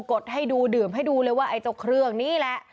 ดให้ดูดื่มให้ดูเลยว่าไอ้เจ้าเครื่องนี้แหละ